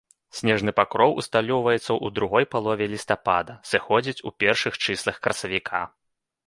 Снежны пакроў усталёўваецца ў другой палове лістапада, сыходзіць у першых чыслах красавіка.